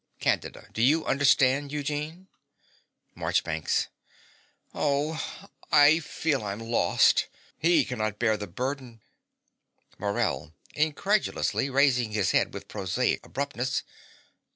CANDIDA. Do you understand, Eugene? MARCHBANKS. Oh, I feel I'm lost. He cannot bear the burden. MORELL (incredulously, raising his bead with prosaic abruptness).